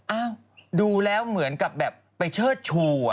อ้าวดูแล้วเหมือนกับแบบไปเชิดชู